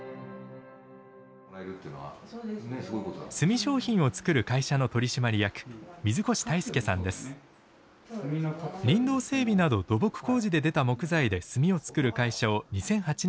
炭商品を作る会社の取締役林道整備など土木工事で出た木材で炭を作る会社を２００８年に引き継ぎました。